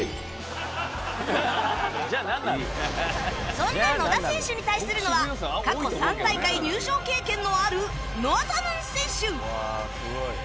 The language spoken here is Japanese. そんな野田選手に対するのは過去３大会入賞経験のあるのぞむん選手